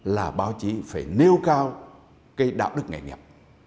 là báo chí phải nêu cao cái đạo đức nghề nghiệp